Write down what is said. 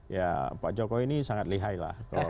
ya pak jokowi ini sangat lihai lah